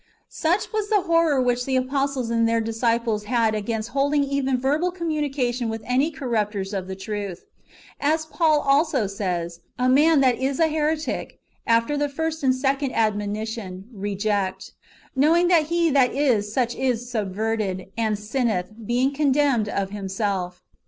Such was the horror which the apostles and their disciples had against holding even a verbal com munication with any corrupters of the truth ; as Paul also says, " A man that is an heretic, after the first and second admonition, reject ; knowing that he that is such is subverted, and sinneth, being condemned of himself."